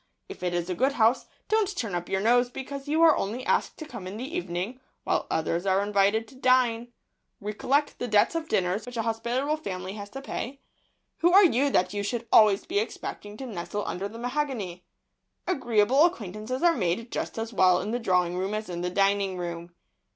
If it is a good house, don't turn up your nose because you are only asked to come in the evening, while others are invited to dine. Recollect the debts of dinners which an hospitable family has to pay; who are you that you should always be expecting to nestle under the mahogany? Agreeable acquaintances are made just as well in the drawing room as in the dining room.